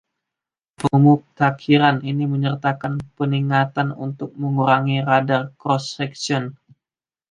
Pemutakhiran ini menyertakan peningatan untuk mengurangi radar cross-section.